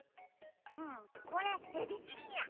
うんこれエビチリにゃ。